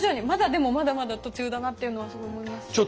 まだでもまだまだ途中だなっていうのはすごい思います。